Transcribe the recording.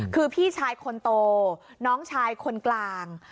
คือพี่ชายคนโตน้องชายคนกลาง